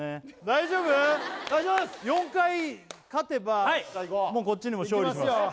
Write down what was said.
大丈夫です４回勝てばこっちにも勝利しますよ